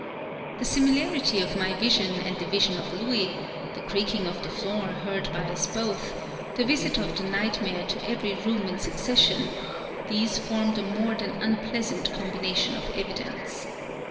The similarity of my vision and the vision of Louis, the creaking of the floor heard by us both, the visit of the nightmare to every room in succession, these formed a more than unpleasant combination of evidence.